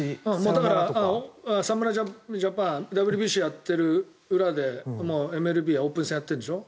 侍ジャパンＷＢＣをやってる裏でＭＬＢはオープン戦やっているでしょ。